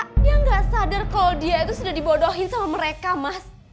dia nggak sadar kalau dia itu sudah dibodohin sama mereka mas